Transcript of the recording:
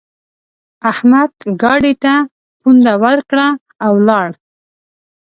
احمد ګاډي ته پونده ورکړه؛ او ولاړ.